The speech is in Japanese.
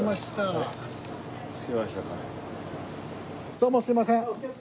どうもすみません。